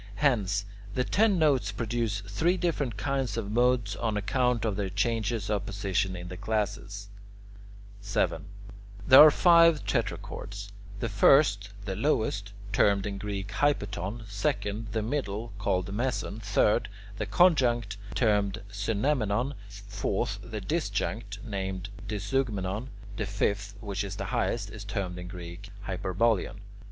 Hence the ten notes produce three different kinds of modes on account of their changes of position in the classes. 7. There are five tetrachords: first, the lowest, termed in Greek [Greek: hypaton]; second, the middle, called [Greek: meson]; third, the conjunct, termed [Greek: synemmenon]; fourth, the disjunct, named [Greek: diezeugmenon]; the fifth, which is the highest, is termed in Greek [Greek: hyperbolaion].